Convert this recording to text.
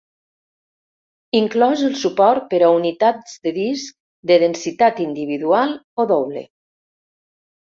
Inclòs el suport per a unitats de disc de densitat individual o doble.